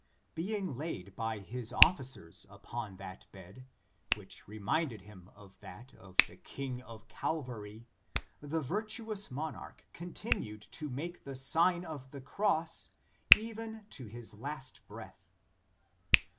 Being laid by his officers upon that bed, which reminded him of that of the King of Calvary, the virtu ous monarch continued to make the Sign of the Cross even to his last breath.